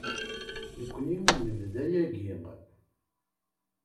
Nekkni nebda yagi.